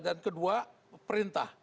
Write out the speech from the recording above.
dan kedua perintah